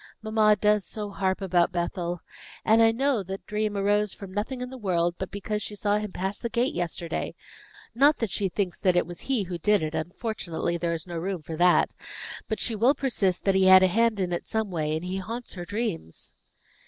"Mamma does so harp about Bethel. And I know that dream arose from nothing in the world but because she saw him pass the gate yesterday. Not that she thinks that it was he who did it; unfortunately, there is no room for that; but she will persist that he had a hand in it in some way, and he haunts her dreams."